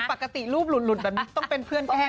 ปกติรูปหลุดแบบนี้ต้องเป็นเพื่อนแกล้ง